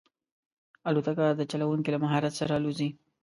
الوتکه د چلونکي له مهارت سره الوزي.